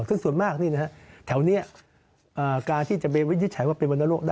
ซึ่งส่วนมากแถวนี้การที่จะไปวินิจฉัยว่าเป็นวรรณโรค